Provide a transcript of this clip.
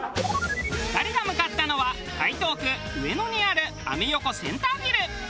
２人が向かったのは台東区上野にあるアメ横センタービル。